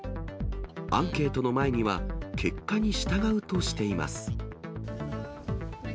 アンケートの前には、結果に従うとしています。